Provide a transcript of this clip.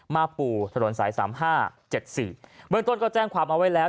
มาปูถนนสาย๓๕๗๔เบื้องต้นก็แจ้งความเอาไว้แล้ว